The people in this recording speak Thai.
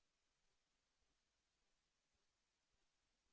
โปรดติดตามตอนต่อไป